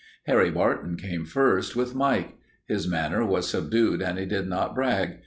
Harry Barton came first, with Mike. His manner was subdued and he did not brag.